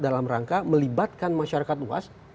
dalam rangka melibatkan masyarakat luas